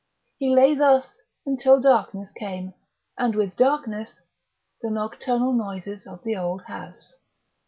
He lay thus until darkness came, and, with darkness, the nocturnal noises of the old house....